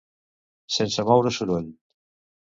Sense moure soroll.